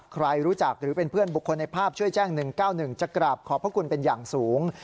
ใครรู้จักหรือเป็นเพื่อนบุคคลในภาพช่วยแจ้ง๑๙๑จะกราบขอบพระคุณเป็นอย่างสูง